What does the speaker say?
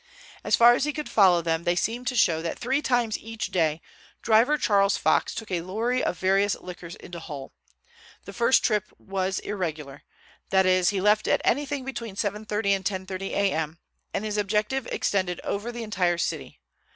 As far as he could follow them they seemed to show that three times each day driver Charles Fox took a lorry of various liquors into Hull. The first trip was irregular, that is, he left at anything between seven thirty and ten thirty a.m., and his objective extended over the entire city.